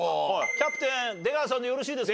キャプテン出川さんでよろしいですか？